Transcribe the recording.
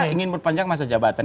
ingin mempanjang masa jabatan